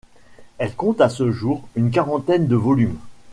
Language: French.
Elle compte à ce jour une quarantaine de volumes.